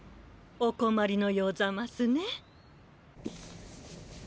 おこまりのようざますね。